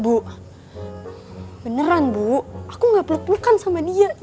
bu beneran bu aku nggak peluk pelukan sama dia